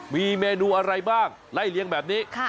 มีเมนูอะไรบ้างไล่เลี้ยงแบบนี้